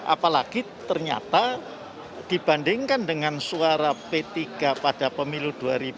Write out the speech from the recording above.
apalagi ternyata dibandingkan dengan suara p tiga pada pemilu dua ribu dua puluh